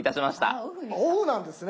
そうなんです